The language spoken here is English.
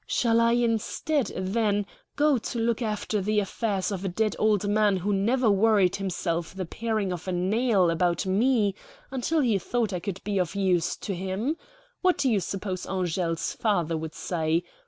Shall I instead, then, go to look after the affairs of a dead old man who never worried himself the paring of a nail about me until he thought I could be of use to him? What do you suppose Angele's father would say?